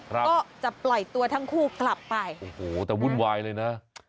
ก็จะปล่อยตัวทั้งคู่กลับไปโอ้โหแต่วุ่นวายเลยนะ